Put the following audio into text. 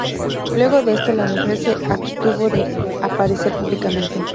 Luego de esto, la mujer se abstuvo de aparecer públicamente.